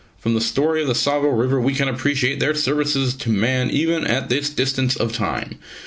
From the story of the Tsavo River we can appreciate their services to man even at this distance of time.